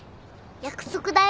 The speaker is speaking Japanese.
約束だよ。